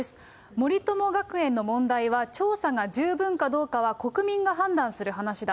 森友学園の問題は、調査が十分かどうかは国民が判断する話だ。